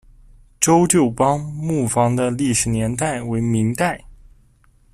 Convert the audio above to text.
周旧邦木坊的历史年代为明代。